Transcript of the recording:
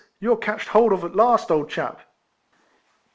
You're catched hold of at last, old chap."